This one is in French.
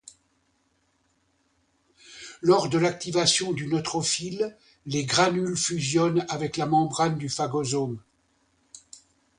Lors de l’activation du neutrophile, les granules fusionnent avec la membrane du phagosome.